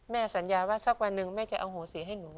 สัญญาว่าสักวันหนึ่งแม่จะเอาโหสีให้หนู